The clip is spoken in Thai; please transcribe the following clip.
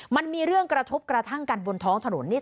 มันมีเรื่องกระทบกระทั่งกันบนท้องถนนนี่